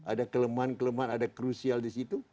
ada kelemahan kelemahan ada krusial di situ